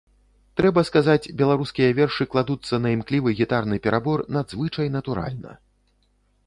Трэба сказаць, беларускія вершы кладуцца на імклівы гітарны перабор надзвычай натуральна.